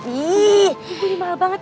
ini mahal banget